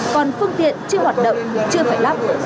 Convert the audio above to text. còn phương tiện chưa hoạt động chưa phải lắp